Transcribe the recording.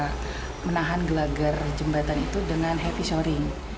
kami menahan gelanggar jembatan itu dengan happy shoring